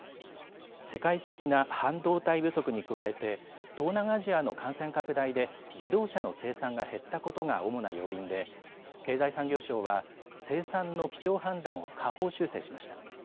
世界的な半導体不足に加えて東南アジアの感染拡大で自動車の生産が減ったことが主な要因で経済産業省は生産の基調判断を下方修正しました。